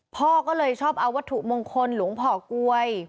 พ่อก็เลยชอบเอาวัตถุมงคลหลวงพ่อกลวย